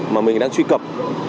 mà mình đang truy cập